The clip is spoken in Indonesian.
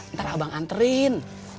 ntar abang anterin